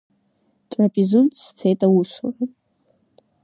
Трапезунд сцеит усура.